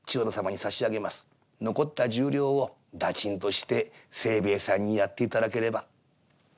残った十両を駄賃として清兵衛さんにやって頂ければ」。